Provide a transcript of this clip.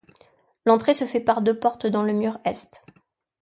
L'entrée se fait par deux portes dans le mur est.